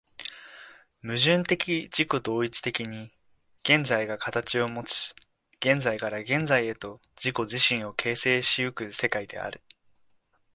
矛盾的自己同一的に現在が形をもち、現在から現在へと自己自身を形成し行く世界である。